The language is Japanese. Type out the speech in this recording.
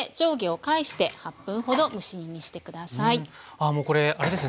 あもうこれあれですね